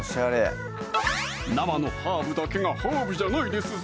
生のハーブだけがハーブじゃないですぞ